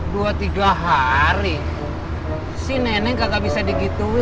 dua tiga hari si neneng nggak bisa dikitulah